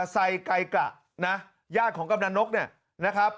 ใส่ไก่กะญาติของกำลังนก